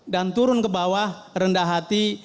dan turun ke bawah rendah hati